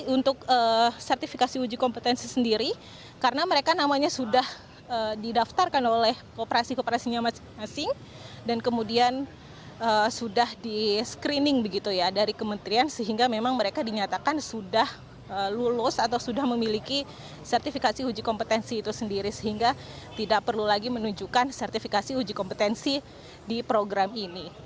untuk sertifikasi uji kompetensi sendiri karena mereka namanya sudah didaftarkan oleh kooperasi kooperasinya masing masing dan kemudian sudah di screening begitu ya dari kementerian sehingga memang mereka dinyatakan sudah lulus atau sudah memiliki sertifikasi uji kompetensi itu sendiri sehingga tidak perlu lagi menunjukkan sertifikasi uji kompetensi di program ini